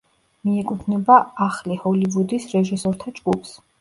მიეკუთვნება ახლი ჰოლივუდის რეჟისორთა ჯგუფს.